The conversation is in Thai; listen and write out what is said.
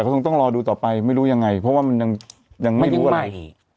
คงต้องรอดูต่อไปไม่รู้ยังไงเพราะว่ามันยังไม่รู้อะไร